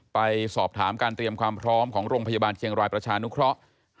ไปสอบถามการเตรียมความพร้อมของโรงพยาบาลเชียงรายประชานุเคราะห์